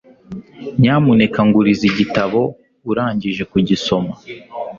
nyamuneka nguriza igitabo urangije kugisoma